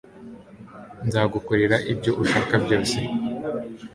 Nzagukorera ibyo ushaka byose